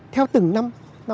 theo từng năm